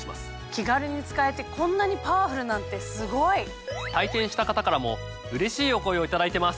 気軽に使えてこんなにパワフルなんてすごい！体験した方からもうれしいお声を頂いてます。